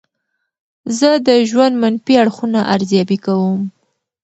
زه د ژوند منفي اړخونه ارزیابي کوم.